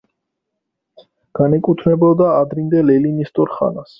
განეკუთვნებოდა ადრინდელ ელინისტურ ხანას.